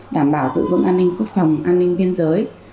đảm bảo giữ vững an ninh quốc phòng an ninh biên giới